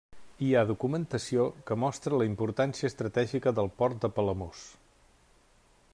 Hi ha documentació que mostra la importància estratègica del port de Palamós.